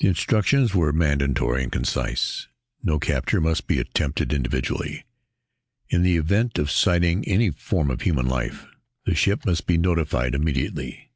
The instructions were mandatory and concise: "No capture must be attempted individually. In the event of sighting any form of human life, the ship MUST be notified immediately.